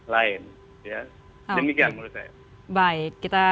lain ya demikian mulai baik kita